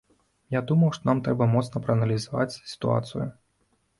Я думаю, што нам трэба моцна прааналізаваць сітуацыю.